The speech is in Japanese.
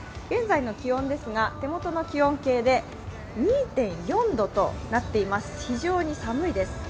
現在の気温ですが手元の気温計で２．４度となっています。